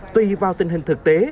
tuy vào tình hình thực tế